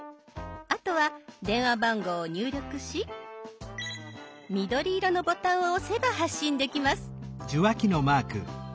あとは電話番号を入力し緑色のボタンを押せば発信できます。